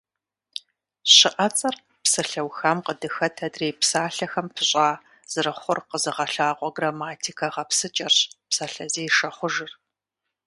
ЩыӀэцӀэр псалъэухам къыдыхэт адрей псалъэхэм пыщӀа зэрыхъур къэзыгъэлъагъуэ грамматикэ гъэпсыкӀэрщ псалъэзешэ хъужыр.